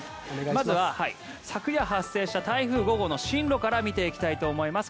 まずは昨夜発生した台風５号の進路から見ていきたいと思います。